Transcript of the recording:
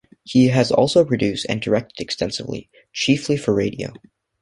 He has also produced and directed extensively, chiefly for radio.